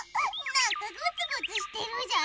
なんかゴツゴツしてるじゃり。